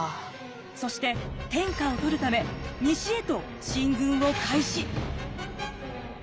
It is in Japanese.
そして天下を取るため西へと進軍を開始。